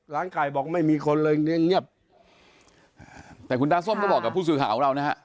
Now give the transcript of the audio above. ไก่บอกไม่มีคนเลยเนี่ยเงียบแต่คุณตาส้มก็บอกกับผู้สื่อข่าวของเรานะฮะ